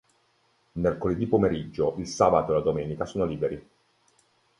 Mercoledì pomeriggio, il sabato e la domenica sono liberi.